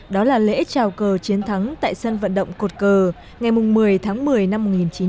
đó là lễ trào cờ chiến thắng tại sân vận động cột cờ ngày một mươi tháng một mươi năm một nghìn chín trăm bảy mươi